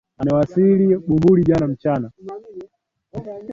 Amewasili Bamburi jana mchana.